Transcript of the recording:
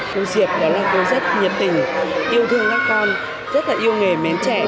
cô diệp đó là cô rất nhiệt tình yêu thương các con rất là yêu nghề mến trẻ